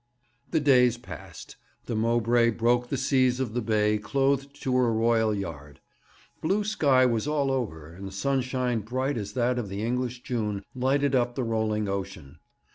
The days passed. The Mowbray broke the seas of the Bay clothed to her royal yard. Blue sky was over her, and sunshine bright as that of the English June lighted up the rolling ocean.